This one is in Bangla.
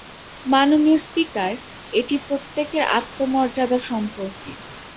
মাননীয় স্পিকার, এটি প্রত্যেকের আত্মমর্যাদা সম্পর্কে।